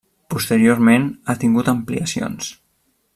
Posteriorment ha tingut ampliacions.